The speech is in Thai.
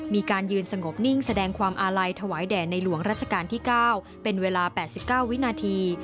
มีการยืนสงบนิ่งแสดงความอาลัยถวายแด่ในหลวงรัชกาลที่๙เป็นเวลา๘๙วินาที